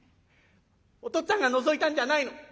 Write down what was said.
お父っつぁんがのぞいたんじゃないの。